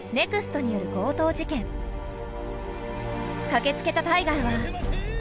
駆けつけたタイガーは。